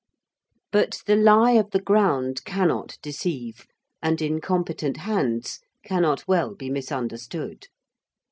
But the lie of the ground cannot deceive, and, in competent hands, cannot well be misunderstood.